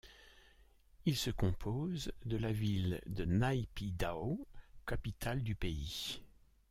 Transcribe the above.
Il se compose de la ville de Naypyidaw, capitale du pays.